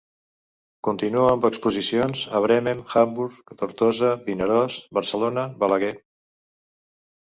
Continua amb exposicions a Bremen, Hamburg, Tortosa, Vinaròs, Barcelona, Balaguer.